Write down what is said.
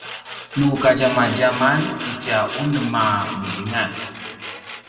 nu kadjamadjaman itja unem a milingan